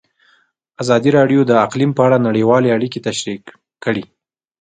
ازادي راډیو د اقلیم په اړه نړیوالې اړیکې تشریح کړي.